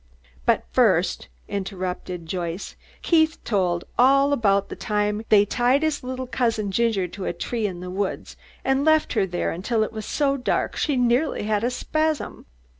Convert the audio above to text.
"But first," interrupted Joyce, "Keith told about the time they tied his little cousin Ginger to a tree in the woods, and left her there until it was so dark she nearly had a spasm."